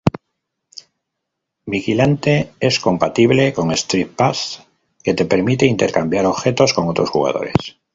Vigilante es compatible con Street Pass, que te permite intercambiar objetos con otros jugadores.